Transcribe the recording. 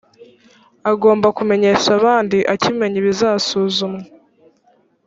agomba kumenyesha abandi akimenya ibizasuzumwa